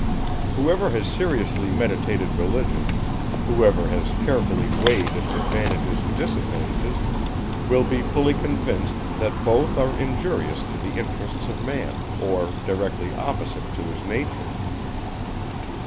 Whoever has seriously meditated Religion; whoever has carefully weighed its advantages and disadvantages, will be fully convinced, that both are injurious to the interests of Man, or directly opposite to his nature.